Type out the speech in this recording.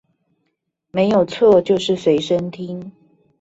沒有錯就是隨身聽